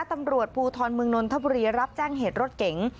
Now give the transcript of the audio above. ตำรวจภูทรเมืองนนทบุรีรับแจ้งเหตุรถเก๋ง